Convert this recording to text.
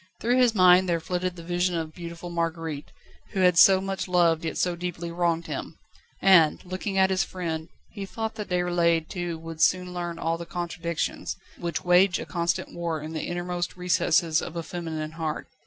Through his mind there flitted the vision of beautiful Marguerite, who had so much loved yet so deeply wronged him, and, looking at his friend, he thought that Déroulède too would soon learn all the contradictions, which wage a constant war in the innermost recesses of a feminine heart.